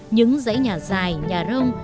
những dãy nhà dài nhà rông